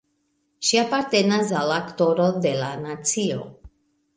Ŝi apartenas al Aktoro de la nacio.